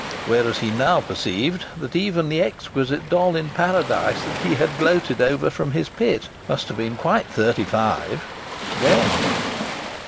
Whereas he now perceived that even the exquisite doll in paradise that he had gloated over from his pit must have been quite thirty five then....